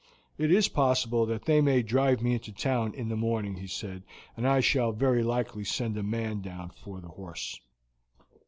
"It is possible that they may drive me into the town in the morning," he said; "and I shall very likely send a man down for the horse."